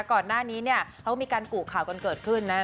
ก่อนหน้านี้เนี่ยเขามีการกุข่าวกันเกิดขึ้นนะ